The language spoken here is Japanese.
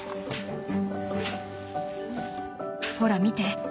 ほら見て。